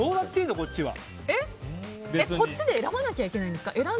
こっちで選ばなきゃいけないんですか？